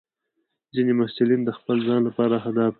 ځینې محصلین د خپل ځان لپاره اهداف ټاکي.